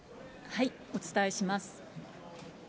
お伝えします。